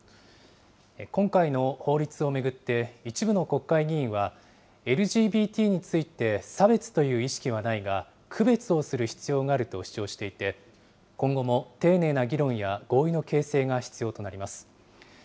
今回の法律を巡って一部の国会議員は、ＬＧＢＴについて差別という意識はないが、区別をする必要があると主張していて、今後も丁寧な議論や合意の形成が必要となります。